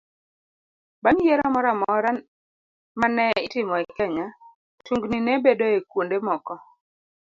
Bang' yiero moro amora ma ne itimo e Kenya, tungni ne bedoe kuonde moko